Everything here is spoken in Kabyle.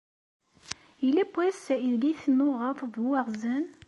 Yella was ideg tennuɣeḍ d uwaɣzen?